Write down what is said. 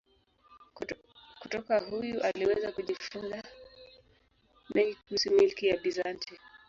Kutoka huyu aliweza kujifunza mengi kuhusu milki ya Bizanti.